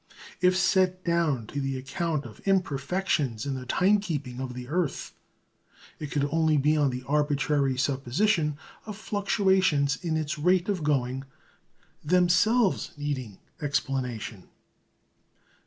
If set down to the account of imperfections in the "time keeping" of the earth, it could only be on the arbitrary supposition of fluctuations in its rate of going themselves needing explanation.